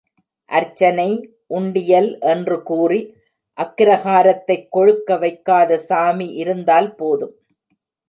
அர்ச்சனை, உண்டியல் என்று கூறி, அக்கிரகாரத்தைக் கொழுக்க வைக்காத சாமி இருந்தால் போதும்.